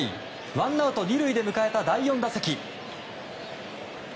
ワンアウト２塁で迎えた第４打席。